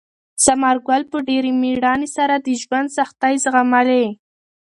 ثمر ګل په ډېرې مېړانې سره د ژوند سختۍ زغملې.